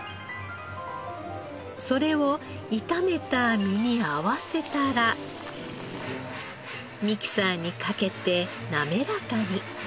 それを炒めた実に合わせたらミキサーにかけて滑らかに。